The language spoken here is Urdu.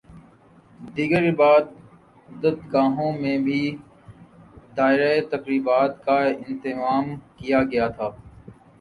دیگر عبادت گاہوں میں بھی دعائیہ تقریبات کا اہتمام کیا گیا تھا